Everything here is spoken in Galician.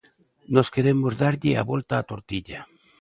Nós queremos darlle a volta á tortilla.